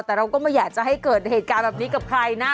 แต่เราก็ไม่อยากจะให้เกิดเหตุการณ์แบบนี้กับใครนะ